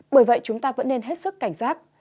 bởi vậy chúng ta vẫn nên hết sức cảnh giác